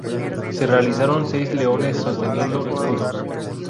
Se realizaron seis leones sosteniendo escudos.